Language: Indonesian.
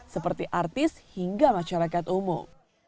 seperti artis hingga masyarakat umum